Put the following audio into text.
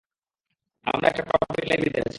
আমরা একটা পাবলিক লাইব্রেরিতে আছি!